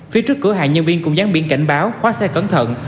phía trước cửa hàng nhân viên cũng gián biến cảnh báo khóa xe cẩn thận